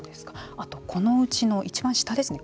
あと、このうちのいちばん下ですね